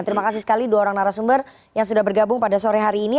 terima kasih sekali dua orang narasumber yang sudah bergabung pada sore hari ini